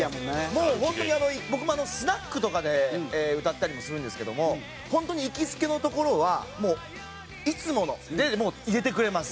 もう本当にあの僕もスナックとかで歌ったりもするんですけども本当に行きつけの所はもう「いつもの」で入れてくれます。